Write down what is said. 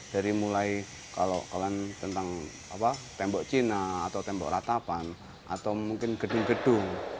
dari mulai kalau kalian tentang tembok cina atau tembok ratapan atau mungkin gedung gedung